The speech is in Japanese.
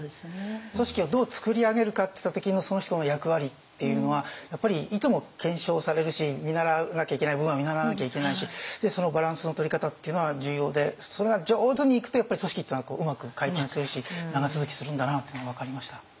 組織をどう作り上げるかっていった時のその人の役割っていうのはやっぱりいつも検証されるし見習わなきゃいけない部分は見習わなきゃいけないしそのバランスのとり方っていうのは重要でそれが上手にいくとやっぱり組織っていうのはうまく回転するし長続きするんだなというのが分かりました。